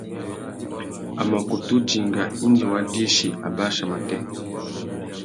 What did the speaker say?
A mà kutu dinga indi wa dïchî abachia matê.